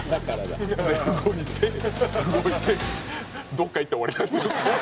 どっか行って終わりなんですよ。